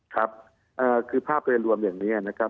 ครับคือภาพโดยรวมอย่างนี้นะครับ